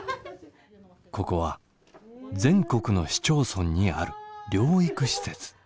ここは全国の市町村にある療育施設。